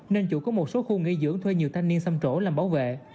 nên chủ có một số khu nghỉ dưỡng thuê nhiều thanh niên xâm trổ làm bảo vệ